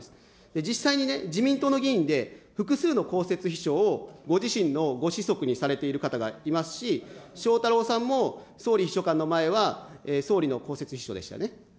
実際にね、自民党の議員で、複数の公設秘書をご自身のご子息にされている方がいますし、翔太郎さんも総理秘書官の前は、総理の公設秘書でしたよね。